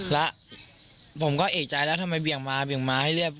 แล้วผมก็เอกใจทำไมเบียงม้าให้เรื่อย